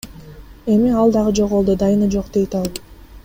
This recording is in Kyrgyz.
Эми ал дагы жоголду, дайыны жок, – дейт ал.